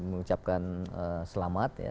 mengucapkan selamat ya